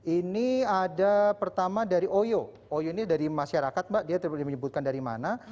ini ada pertama dari oyo oyo ini dari masyarakat mbak dia tidak menyebutkan dari mana